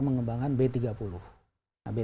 mengembangkan b tiga puluh nah b tiga puluh